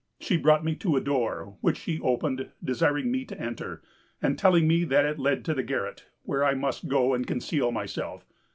She brought me to a door, which she opened, desiring me to enter, and telling me that it led to the garret, where I must go and conceal myself.